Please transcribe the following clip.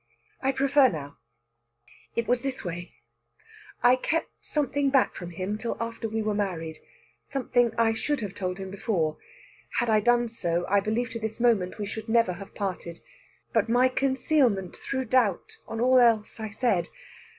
"I prefer now. It was this way: I kept something back from him till after we were married something I should have told him before. Had I done so, I believe to this moment we should never have parted. But my concealment threw doubt on all else I said....